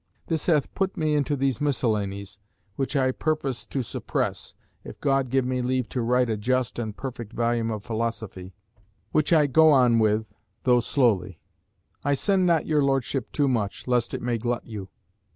This hath put me into these miscellanies, which I purpose to suppress, if God give me leave to write a just and perfect volume of philosophy, which I go on with, though slowly. I send not your Lordship too much, lest it may glut you.